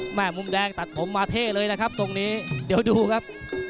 มุมแดงตัดผมมาเท่เลยนะครับตรงนี้เดี๋ยวดูครับ